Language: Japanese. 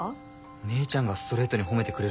姉ちゃんがストレートに褒めてくれるとか。